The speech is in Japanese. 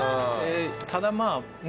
ただまあね